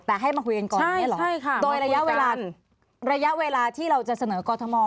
แต่ให้มาคุยกันก่อนใช่ใช่ค่ะโดยระยะเวลาระยะเวลาที่เราจะเสนอกอร์ธมอล